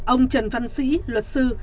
ông trần văn sĩ luật sư